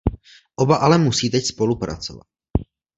Oba ale musí teď spolupracovat.